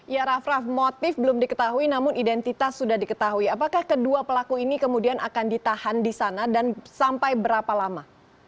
ya raff raff motif belum diketahui namun identitas sudah diketahui apakah kedua pelaku ini kemudian akan ditahan di sana dan sampai berapa lama